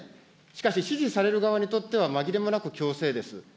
しかし、指示される側にとっては、まぎれもなく強制です。